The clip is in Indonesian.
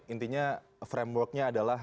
intinya frameworknya adalah